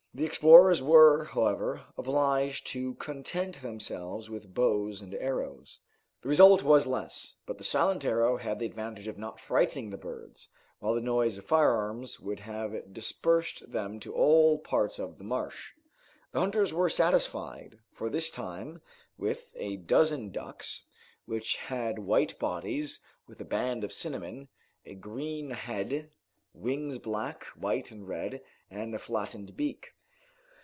The explorers were, however, obliged to content themselves with bows and arrows. The result was less, but the silent arrow had the advantage of not frightening the birds, while the noise of firearms would have dispersed them to all parts of the marsh. The hunters were satisfied, for this time, with a dozen ducks, which had white bodies with a band of cinnamon, a green head, wings black, white, and red, and flattened beak.